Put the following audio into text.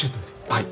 はい。